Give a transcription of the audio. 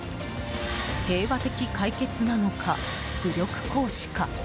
平和的解決なのか、武力行使か。